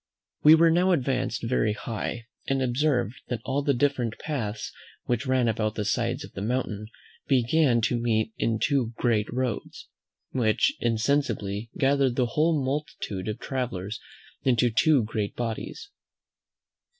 We were now advanced very high, and observed that all the different paths which ran about the sides of the mountain began to meet in two great roads, which insensibly gathered the whole multitude of travellers into two great bodies.